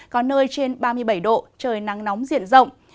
có nơi trên ba mươi bảy độ trời nắng nóng diện rộng